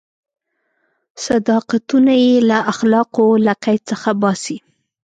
صداقتونه یې له اخلاقو له قید څخه باسي.